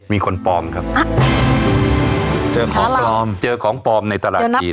มีคนปลอมครับเจอของปลอมเจอของปลอมในตลาดที